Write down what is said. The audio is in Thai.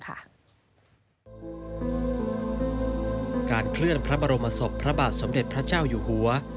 เคลื่อนพระบรมศพพระบาทสมเด็จพระเจ้าอยู่หัว